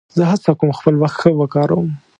زه هڅه کوم خپل وخت ښه وکاروم.